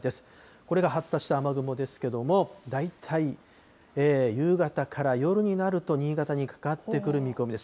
これが発達した雨雲ですけれども、大体夕方から夜になると、新潟にかかってくる見込みです。